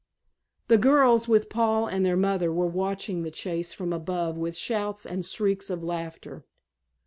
The girls, with Paul and their mother were watching the chase from above with shouts and shrieks of laughter.